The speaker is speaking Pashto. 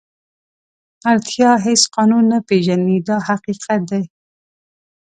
اړتیا هېڅ قانون نه پېژني دا حقیقت دی.